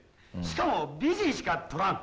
「しかも美人しか撮らん」